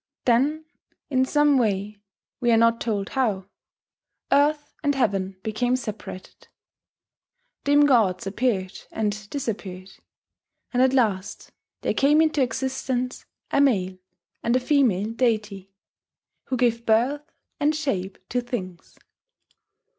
Then, in some way we are not told how earth and heaven became separated; dim gods appeared and disappeared; and at last there came into existence a male and a female deity, who gave birth and shape to things.